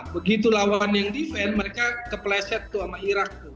begitu lawan yang defend mereka kepleset sama irak